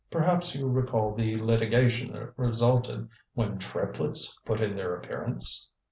Perhaps you recall the litigation that resulted when triplets put in their appearance?"